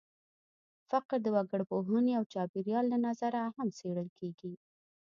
فقر د وګړپوهنې او د چاپېریال له نظره هم څېړل کېږي.